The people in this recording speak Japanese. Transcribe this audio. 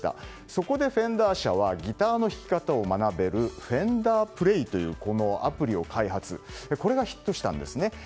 そこで、フェンダー社はギターの弾き方を学べるＦｅｎｄｅｒＰｌａｙというアプリを開発しこれがヒットしたんですね。